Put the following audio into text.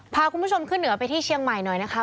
พาคุณผู้ชมขึ้นเหนือไปที่เชียงใหม่หน่อยนะคะ